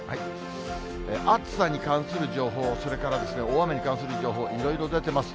暑さに関する情報、それから大雨に関する情報、いろいろ出ています。